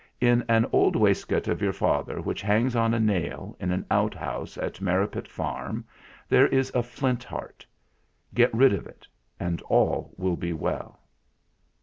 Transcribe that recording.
"In an old waistcoat of your father which hangs on a nail in an outhouse at Merripit Farm there is a Flint Heart. Get rid of that, and all will be well."